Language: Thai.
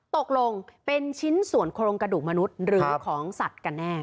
ตกลงเป็นชิ้นส่วนโครงกระดูกมนุษย์หรือของสัตว์กันแน่